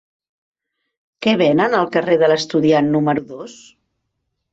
Què venen al carrer de l'Estudiant número dos?